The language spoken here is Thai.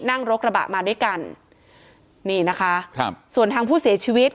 นั่งรถกระบะมาด้วยกันนี่นะคะครับส่วนทางผู้เสียชีวิต